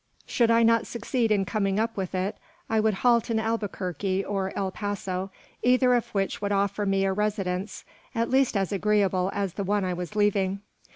Should I not succeed in coming up with it, I could halt in Albuquerque or El Paso, either of which would offer me a residence at least as agreeable as the one I was leaving.